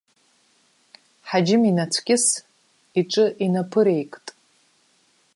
Ҳаџьым инацәкьыс иҿы инаԥыреикт.